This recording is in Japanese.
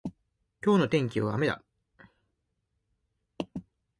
今日の天気は雨だ。